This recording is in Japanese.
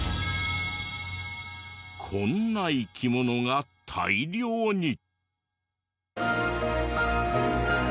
こんな生き物が大量に。